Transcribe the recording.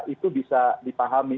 itu bisa dipahami